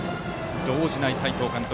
動じない斎藤監督。